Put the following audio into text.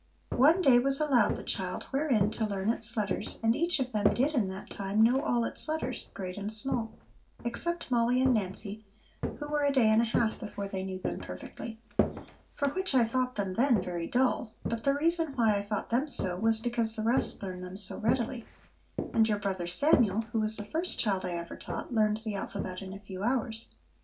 One day was allowed the child wherein to learn its letters, and each of them did in that time know all its letters, great and small, except Molly and Nancy, who were a day and a half before they knew them perfectly, for which I thought them then very dull ; but the reason why I thought them so was because the rest learned them so readily ; and your brother Samuel, who was the first child I ever taught, learned the alphabet in a few hours.